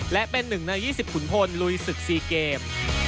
และเป็น๑ใน๒๐ขุนพลลุยศึก๔เกม